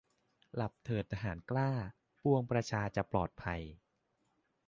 หลับเถิดทหารกล้า ปวงประชาจะปลอดภัย